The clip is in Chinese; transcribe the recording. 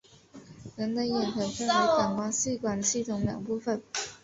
人的眼可分为感光细胞系统两部分。